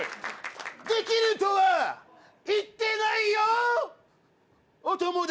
できるとは言ってないよお友達。